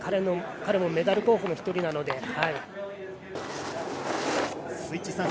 彼もメダル候補の１人なので。